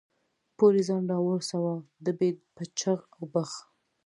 پورې ځان را ورساوه، ډبې په چغ او بغ.